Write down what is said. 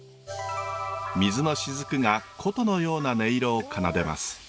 水のしずくが琴のような音色を奏でます。